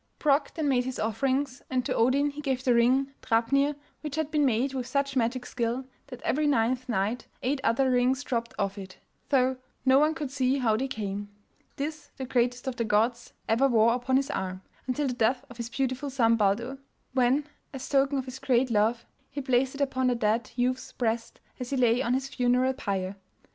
Brok then made his offerings, and to Odin he gave the ring Drapnir which had been made with such magic skill that every ninth night eight other rings dropped off it, though no one could see how they came; this the greatest of the gods ever wore upon his arm, until the death of his beautiful son Baldur, when, as token of his great love he placed it upon the dead youth's breast as he lay on his funeral pyre.